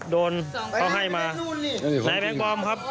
โดนเขาให้มานายแบงค์ปลอมครับ